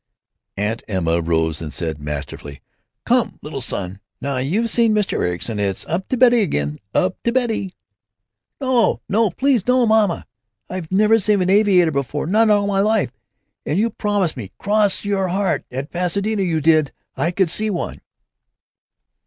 Aunt Emma rose and said, masterfully, "Come, little son, now you've seen Mr. Ericson it's up to beddie again, up—to—beddie." "No, no; please no, mamma! I've never seen a' aviator before, not in all my life, and you promised me 'cross your heart, at Pasadena you did, I could see one."